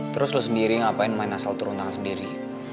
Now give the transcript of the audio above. terus lo sendiri ngapain main asal turun tangan sendiri